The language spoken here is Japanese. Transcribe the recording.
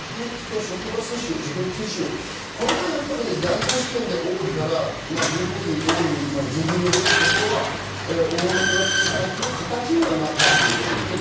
職域接種が大都市圏で多いから、人口比が多い、人流の多いところは多めにワクチンが入ってる形にはなっているということですね。